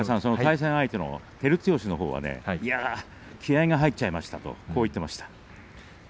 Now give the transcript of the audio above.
対戦相手の照強のほうは気合いが入っちゃいましたと言ってました。